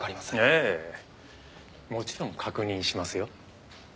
ええもちろん確認しますよ